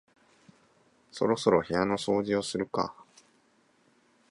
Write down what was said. そろそろ部屋の掃除をするか